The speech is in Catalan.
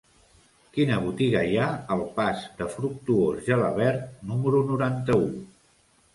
Quina botiga hi ha al pas de Fructuós Gelabert número noranta-u?